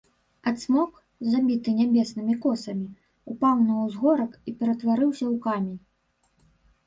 А цмок, забіты нябеснымі косамі, упаў на ўзгорак і ператварыўся ў камень.